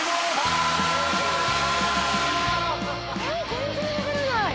全然分からない！